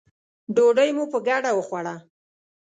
ډوډۍ مو په ګډه وخوړه.